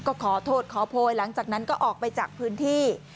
ก็ขอโทษขอโพยหลังจากนั้นก็ออกไปจากพื้นที่